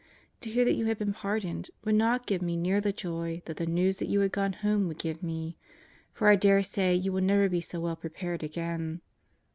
To hear that you had been pardoned would not give me near the joy that the news that you had gone Home would give me. For I dare say you will never be so well prepared again.